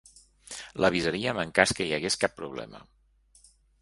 L'avisaríem en cas que hi hagués cap problema.